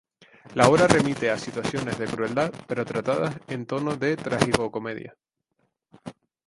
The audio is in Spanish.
La obra remite a situaciones de crueldad pero tratadas en tono de tragicomedia.